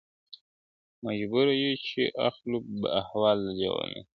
مجبوره یو چي اخلو به احوال د لېونیو